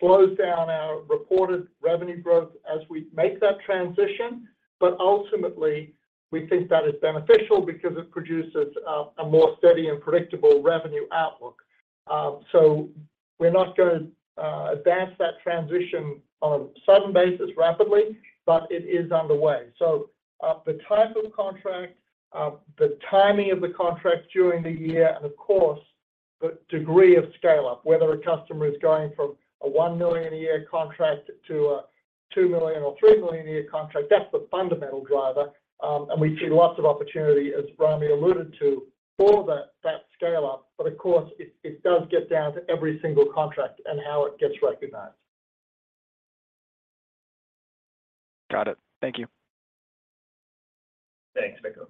slows down our reported revenue growth as we make that transition. But ultimately, we think that is beneficial because it produces a more steady and predictable revenue outlook. So we're not going to advance that transition on a sudden basis rapidly, but it is underway. So the type of contract, the timing of the contract during the year, and of course, the degree of scale-up, whether a customer is going from a $1 million a year contract to a $2 million or $3 million a year contract, that's the fundamental driver. And we see lots of opportunity, as Ramy alluded to, for that scale-up. But of course, it does get down to every single contract and how it gets recognized. Got it. Thank you. Thanks, Vikram.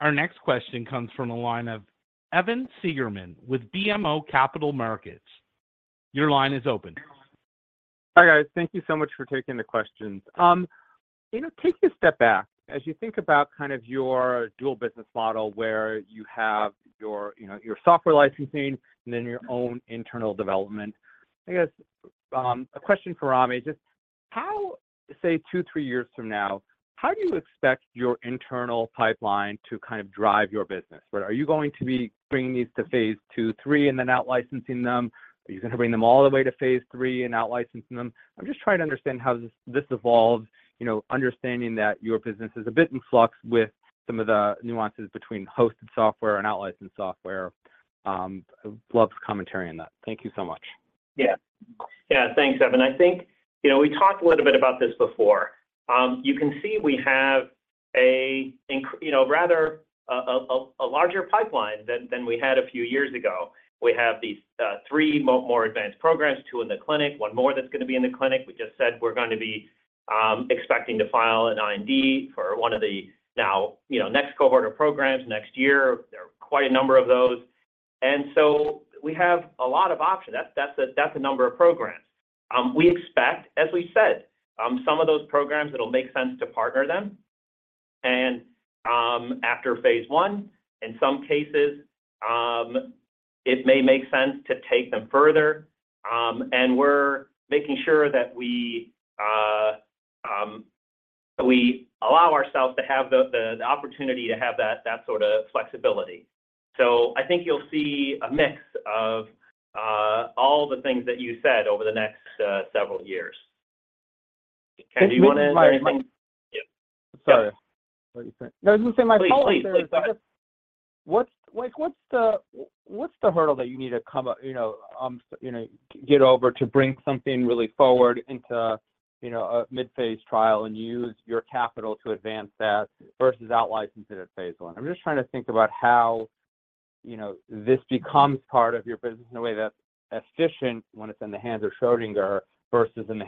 Our next question comes from a line of Evan Seigerman with BMO Capital Markets. Your line is open. Hi guys. Thank you so much for taking the questions. Take a step back as you think about kind of your dual business model where you have your software licensing and then your own internal development. I guess a question for Ramy, just how, say, 2, 3 years from now, how do you expect your internal pipeline to kind of drive your business? Are you going to be bringing these to phase 2, 3, and then outlicensing them? Are you going to bring them all the way to phase 3 and outlicensing them? I'm just trying to understand how this evolves, understanding that your business is a bit in flux with some of the nuances between hosted software and outlicensed software. Love commentary on that. Thank you so much. Yeah. Yeah. Thanks, Evan. I think we talked a little bit about this before. You can see we have a rather larger pipeline than we had a few years ago. We have these three more advanced programs, two in the clinic, one more that's going to be in the clinic. We just said we're going to be expecting to file an IND for one of the now next cohort of programs next year. There are quite a number of those. And so we have a lot of options. That's a number of programs. We expect, as we said, some of those programs that'll make sense to partner them. And after phase 1, in some cases, it may make sense to take them further. And we're making sure that we allow ourselves to have the opportunity to have that sort of flexibility. So I think you'll see a mix of all the things that you said over the next several years. Karen, do you want to add anything? Sorry. What are you saying? No, I was going to say my follow-up there. I guess what's the hurdle that you need to come get over to bring something really forward into a mid-phase trial and use your capital to advance that versus outlicensing at phase 1? I'm just trying to think about how this becomes part of your business in a way that's efficient when it's in the hands of Schrödinger versus in the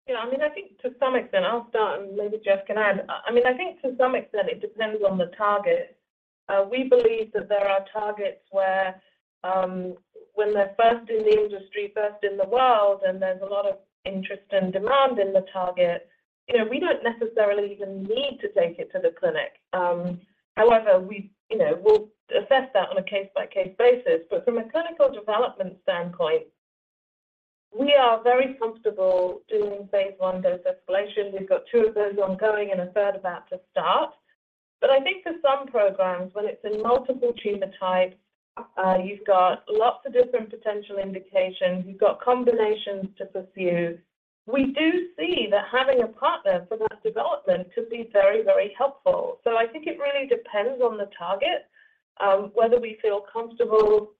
hands of someone else. Yeah. I mean, I think to some extent I'll start and maybe Geoff can add. I mean, I think to some extent, it depends on the target. We believe that there are targets where when they're first in the industry, first in the world, and there's a lot of interest and demand in the target, we don't necessarily even need to take it to the clinic. However, we'll assess that on a case-by-case basis. But from a clinical development standpoint, we are very comfortable doing phase one dose escalation. We've got two of those ongoing and a third about to start. But I think for some programs, when it's in multiple tumor types, you've got lots of different potential indications. You've got combinations to pursue. We do see that having a partner for that development could be very, very helpful. So I think it really depends on the target, whether we feel comfortable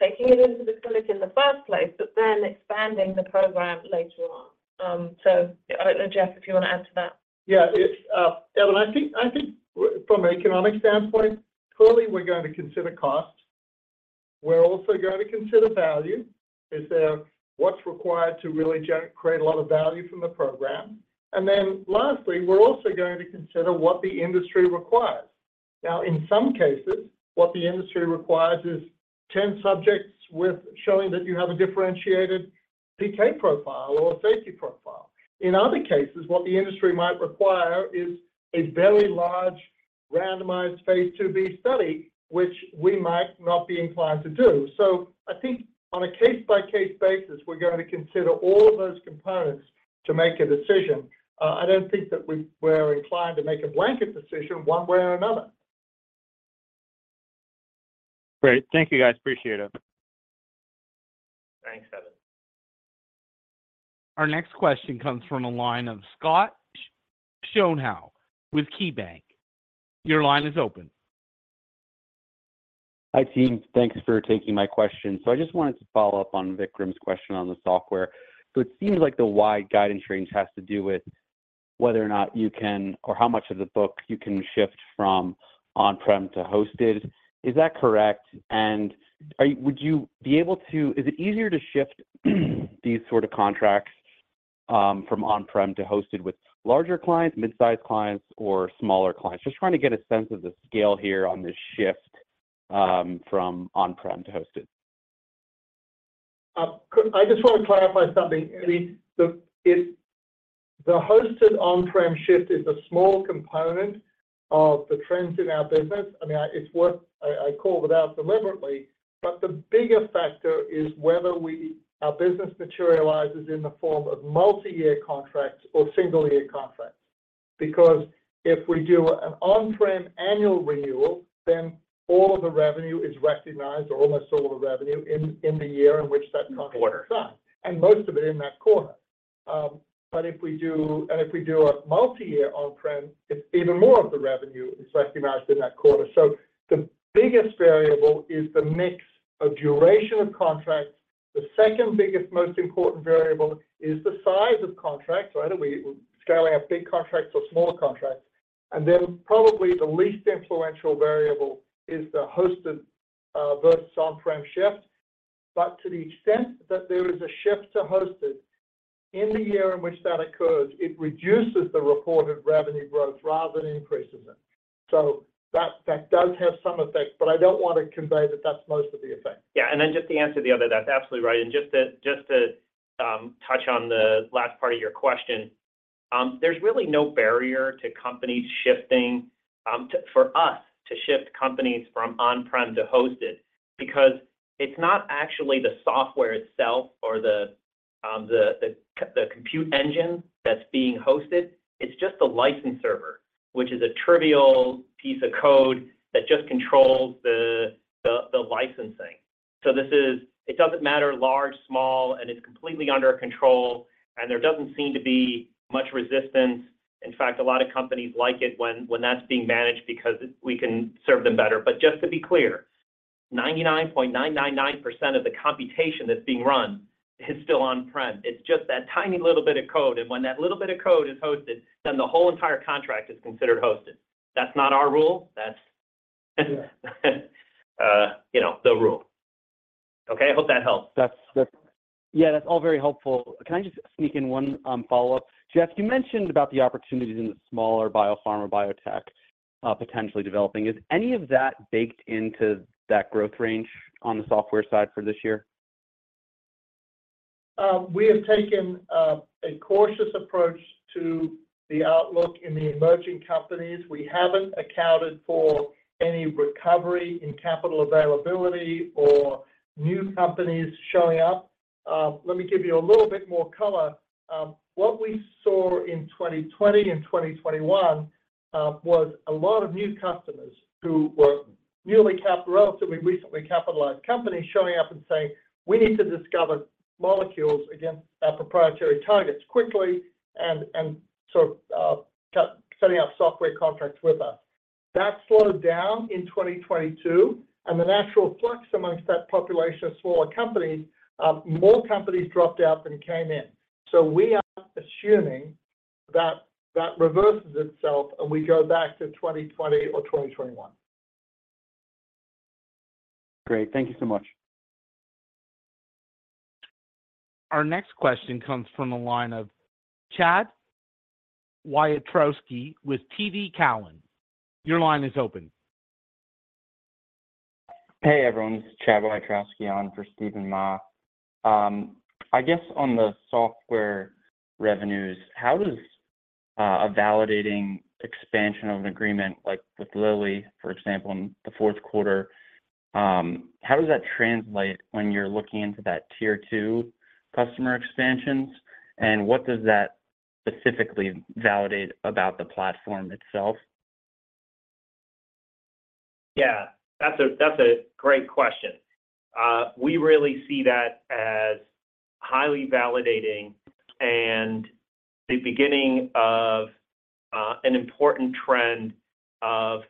taking it into the clinic in the first place, but then expanding the program later on. So I don't know, Geoff, if you want to add to that? Yeah. Evan, I think from an economic standpoint, clearly, we're going to consider cost. We're also going to consider value. Is there what's required to really create a lot of value from the program? And then lastly, we're also going to consider what the industry requires. Now, in some cases, what the industry requires is 10 subjects showing that you have a differentiated PK profile or a safety profile. In other cases, what the industry might require is a very large randomized phase 2b study, which we might not be inclined to do. So I think on a case-by-case basis, we're going to consider all of those components to make a decision. I don't think that we're inclined to make a blanket decision one way or another. Great. Thank you guys. Appreciate it. Thanks, Evan. Our next question comes from a line of Scott Schoenhaus with KeyBanc. Your line is open. Hi, team. Thanks for taking my question. So I just wanted to follow up on Vikram's question on the software. So it seems like the wide guidance range has to do with whether or not you can or how much of the book you can shift from on-prem to hosted. Is that correct? And would you be able to is it easier to shift these sort of contracts from on-prem to hosted with larger clients, midsize clients, or smaller clients? Just trying to get a sense of the scale here on this shift from on-prem to hosted. I just want to clarify something. I mean, the hosted on-prem shift is a small component of the trends in our business. I mean, it's worth calling it out deliberately. But the bigger factor is whether our business materializes in the form of multi-year contracts or single-year contracts. Because if we do an on-prem annual renewal, then all of the revenue is recognized or almost all of the revenue in the year in which that contract is signed. And most of it in that quarter. But if we do a multi-year on-prem, it's even more of the revenue is recognized in that quarter. So the biggest variable is the mix of duration of contracts. The second biggest, most important variable is the size of contracts, right? Are we scaling up big contracts or smaller contracts? And then probably the least influential variable is the hosted versus on-prem shift. But to the extent that there is a shift to hosted, in the year in which that occurs, it reduces the reported revenue growth rather than increases it. So that does have some effect. But I don't want to convey that that's most of the effect. Yeah. And then just to answer the other, that's absolutely right. And just to touch on the last part of your question, there's really no barrier to companies shifting for us to shift companies from on-prem to hosted because it's not actually the software itself or the compute engine that's being hosted. It's just the license server, which is a trivial piece of code that just controls the licensing. So it doesn't matter large, small, and it's completely under control. And there doesn't seem to be much resistance. In fact, a lot of companies like it when that's being managed because we can serve them better. But just to be clear, 99.999% of the computation that's being run is still on-prem. It's just that tiny little bit of code. And when that little bit of code is hosted, then the whole entire contract is considered hosted. That's not our rule. That's the rule. Okay? I hope that helps. Yeah. That's all very helpful. Can I just sneak in one follow-up? Geoff, you mentioned about the opportunities in the smaller biopharma biotech potentially developing. Is any of that baked into that growth range on the software side for this year? We have taken a cautious approach to the outlook in the emerging companies. We haven't accounted for any recovery in capital availability or new companies showing up. Let me give you a little bit more color. What we saw in 2020 and 2021 was a lot of new customers who were newly capitalized relatively recently capitalized companies showing up and saying, "We need to discover molecules against our proprietary targets quickly and sort of setting up software contracts with us." That slowed down in 2022. And the natural flux amongst that population of smaller companies, more companies dropped out than came in. So we are assuming that reverses itself and we go back to 2020 or 2021. Great. Thank you so much. Our next question comes from a line of Chad Wiatrowski with TD Cowen. Your line is open. Hey everyone. It's Chad Wiatrowski on for Steven Mah. I guess on the software revenues, how does a validating expansion of an agreement like with Lilly, for example, in the fourth quarter, how does that translate when you're looking into that tier two customer expansions? And what does that specifically validate about the platform itself? Yeah. That's a great question. We really see that as highly validating and the beginning of an important trend of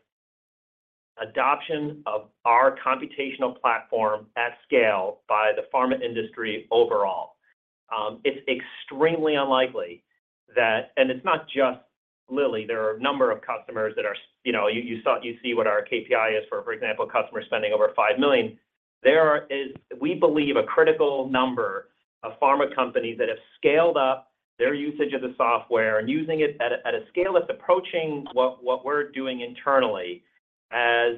adoption of our computational platform at scale by the pharma industry overall. It's extremely unlikely that and it's not just Lilly. There are a number of customers that are, you see, what our KPI is for, for example, customers spending over $5 million. There is, we believe, a critical number of pharma companies that have scaled up their usage of the software and using it at a scale that's approaching what we're doing internally as,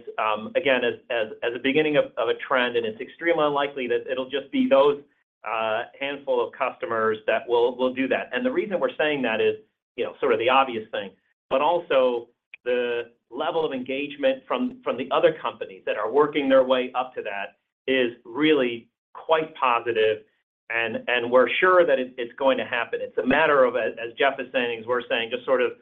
again, as a beginning of a trend. And it's extremely unlikely that it'll just be those handful of customers that will do that. And the reason we're saying that is sort of the obvious thing. But also the level of engagement from the other companies that are working their way up to that is really quite positive. And we're sure that it's going to happen. It's a matter of, as Geoff is saying, as we're saying, just sort of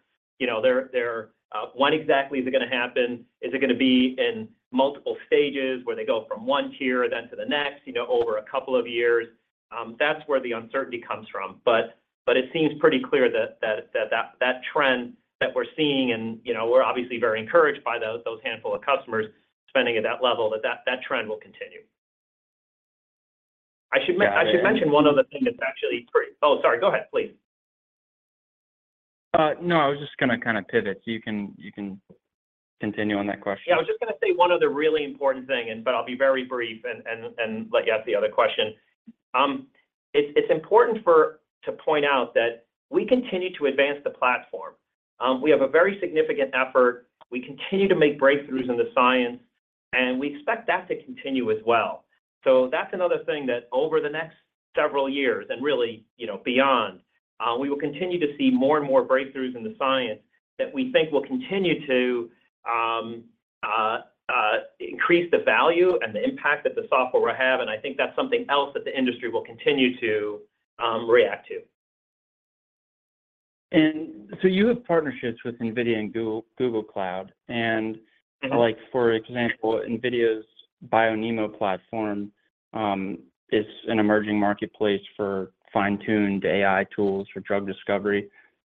when exactly is it going to happen? Is it going to be in multiple stages where they go from one tier then to the next over a couple of years? That's where the uncertainty comes from. But it seems pretty clear that that trend that we're seeing and we're obviously very encouraged by those handful of customers spending at that level, that that trend will continue. I should mention one other thing that's actually pretty, oh, sorry. Go ahead, please. No, I was just going to kind of pivot. So you can continue on that question. Yeah. I was just going to say one other really important thing, but I'll be very brief and let you ask the other question. It's important to point out that we continue to advance the platform. We have a very significant effort. We continue to make breakthroughs in the science. And we expect that to continue as well. So that's another thing that over the next several years and really beyond, we will continue to see more and more breakthroughs in the science that we think will continue to increase the value and the impact that the software will have. And I think that's something else that the industry will continue to react to. So you have partnerships with NVIDIA and Google Cloud. For example, NVIDIA's BioNeMo platform is an emerging marketplace for fine-tuned AI tools for drug discovery.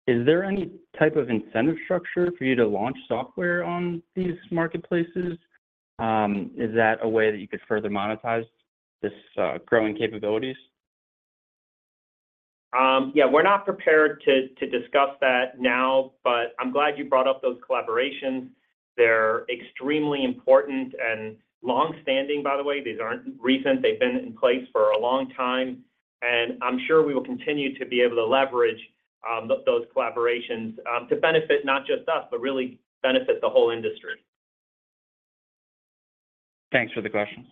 Is there any type of incentive structure for you to launch software on these marketplaces? Is that a way that you could further monetize this growing capabilities? Yeah. We're not prepared to discuss that now, but I'm glad you brought up those collaborations. They're extremely important and longstanding, by the way. These aren't recent. They've been in place for a long time. And I'm sure we will continue to be able to leverage those collaborations to benefit not just us, but really benefit the whole industry. Thanks for the questions.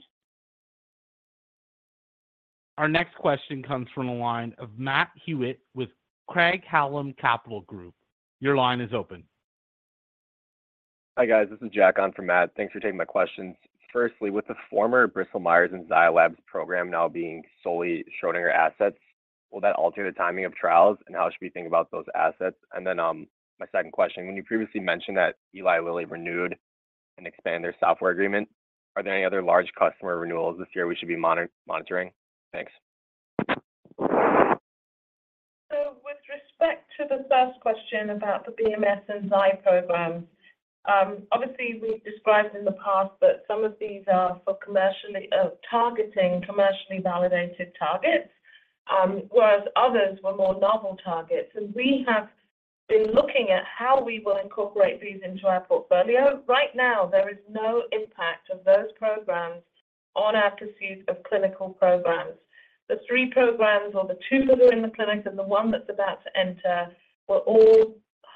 Our next question comes from a line of Matt Hewitt with Craig-Hallum Capital Group. Your line is open. Hi guys. This is Jack on from Matt. Thanks for taking my questions. Firstly, with the former Bristol Myers and Zai Lab program now being solely Schrödinger assets, will that alter the timing of trials and how should we think about those assets? And then my second question, when you previously mentioned that Eli Lilly renewed and expanded their software agreement, are there any other large customer renewals this year we should be monitoring? Thanks. With respect to the first question about the BMS and Zai programs, obviously, we've described in the past that some of these are targeting commercially validated targets, whereas others were more novel targets. We have been looking at how we will incorporate these into our portfolio. Right now, there is no impact of those programs on our pursuit of clinical programs. The three programs or the two that are in the clinic and the one that's about to enter were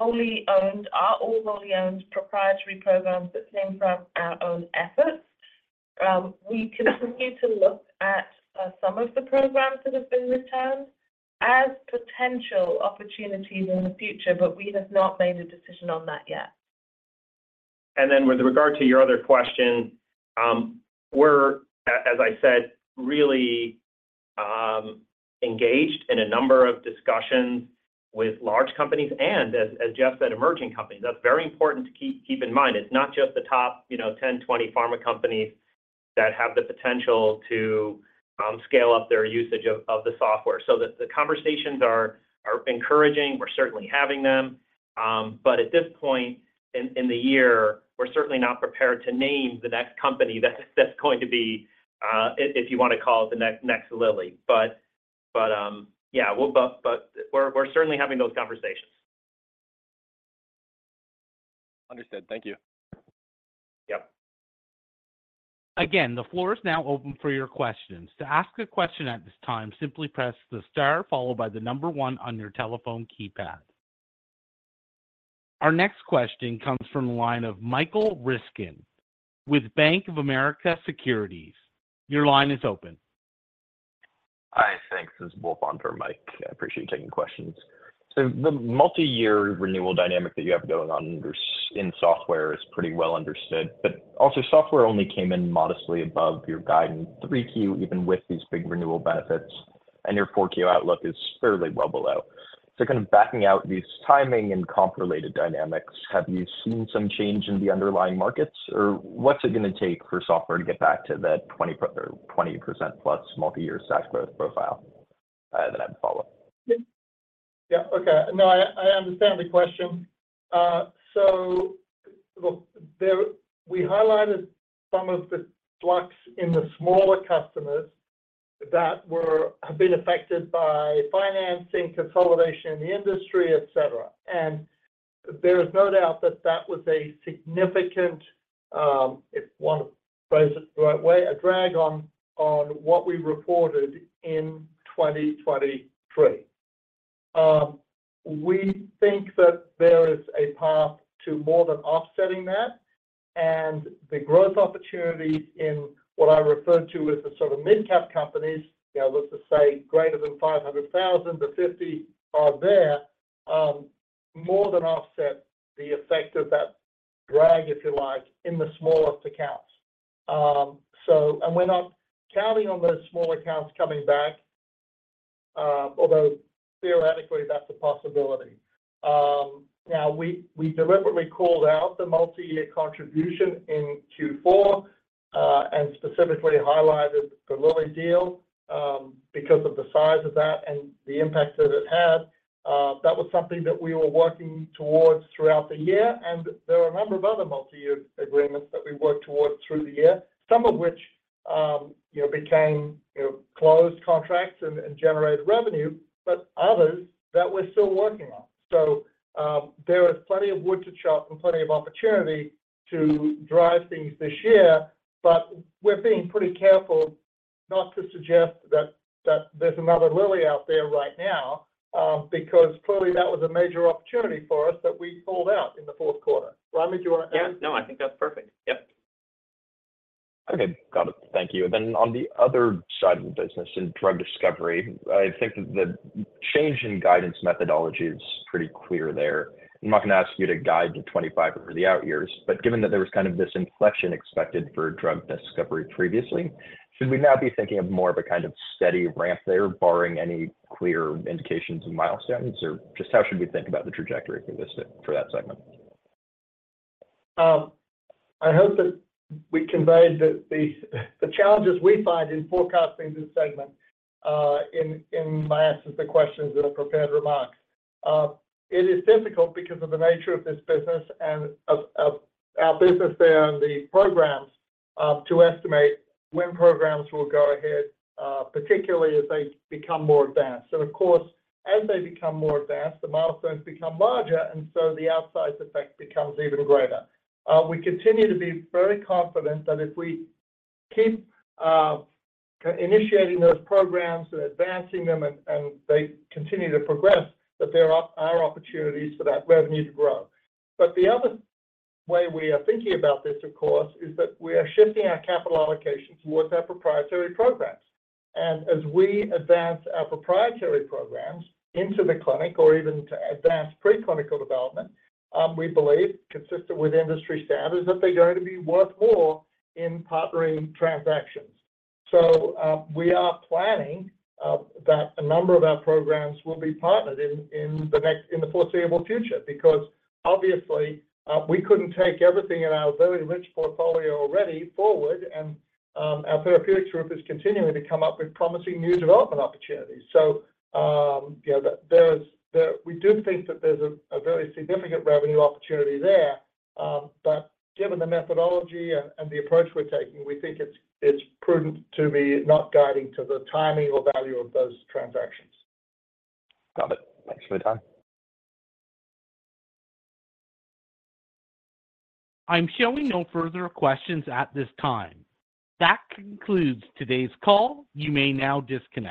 all wholly owned are all wholly owned proprietary programs that came from our own efforts. We continue to look at some of the programs that have been returned as potential opportunities in the future, but we have not made a decision on that yet. And then with regard to your other question, we're, as I said, really engaged in a number of discussions with large companies and, as Geoff said, emerging companies. That's very important to keep in mind. It's not just the top 10, 20 pharma companies that have the potential to scale up their usage of the software. So the conversations are encouraging. We're certainly having them. But at this point in the year, we're certainly not prepared to name the next company that's going to be if you want to call it the next Lilly. But yeah, we're certainly having those conversations. Understood. Thank you. Yep. Again, the floor is now open for your questions. To ask a question at this time, simply press the star followed by the number one on your telephone keypad. Our next question comes from a line of Michael Ryskin with Bank of America Securities. Your line is open. Hi. Thanks. This is Wolf on for Mike. I appreciate you taking questions. So the multi-year renewal dynamic that you have going on in software is pretty well understood. But also, software only came in modestly above your guidance 3Q, even with these big renewal benefits. And your 4Q outlook is fairly well below. So kind of backing out these timing and comp-related dynamics, have you seen some change in the underlying markets? Or what's it going to take for software to get back to that 20%-plus multi-year SaaS growth profile that I have to follow? Yeah. Okay. No, I understand the question. So we highlighted some of the flux in the smaller customers that have been affected by financing, consolidation in the industry, etc. There is no doubt that that was a significant if I want to phrase it the right way, a drag on what we reported in 2023. We think that there is a path to more than offsetting that. The growth opportunities in what I referred to as the sort of mid-cap companies, let's just say greater than $500,000 to $50 million are there, more than offset the effect of that drag, if you like, in the smallest accounts. We're not counting on those small accounts coming back, although theoretically, that's a possibility. Now, we deliberately called out the multi-year contribution in Q4 and specifically highlighted the Lilly deal because of the size of that and the impact that it had. That was something that we were working towards throughout the year. There are a number of other multi-year agreements that we worked towards through the year, some of which became closed contracts and generated revenue, but others that we're still working on. There is plenty of wood to chop and plenty of opportunity to drive things this year. We're being pretty careful not to suggest that there's another Lilly out there right now because clearly, that was a major opportunity for us that we pulled out in the fourth quarter. Ramy, do you want to add? Yeah. No, I think that's perfect. Yep. Okay. Got it. Thank you. Then on the other side of the business in drug discovery, I think that the change in guidance methodology is pretty clear there. I'm not going to ask you to guide the 25 over the out years. But given that there was kind of this inflection expected for drug discovery previously, should we now be thinking of more of a kind of steady ramp there, barring any clear indications of milestones? Or just how should we think about the trajectory for that segment? I hope that we conveyed that the challenges we find in forecasting this segment, in my answer to the questions and the prepared remarks. It is difficult because of the nature of this business and of our business there and the programs to estimate when programs will go ahead, particularly as they become more advanced. Of course, as they become more advanced, the milestones become larger, and so the outsized effect becomes even greater. We continue to be very confident that if we keep initiating those programs and advancing them and they continue to progress, that there are opportunities for that revenue to grow. But the other way we are thinking about this, of course, is that we are shifting our capital allocation towards our proprietary programs. As we advance our proprietary programs into the clinic or even to advance preclinical development, we believe, consistent with industry standards, that they're going to be worth more in partnering transactions. We are planning that a number of our programs will be partnered in the foreseeable future because obviously, we couldn't take everything in our very rich portfolio already forward. Our therapeutics group is continuing to come up with promising new development opportunities. We do think that there's a very significant revenue opportunity there. Given the methodology and the approach we're taking, we think it's prudent to be not guiding to the timing or value of those transactions. Got it. Thanks for your time. I'm showing no further questions at this time. That concludes today's call. You may now disconnect.